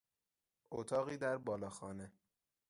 اتاقی در بالاخانه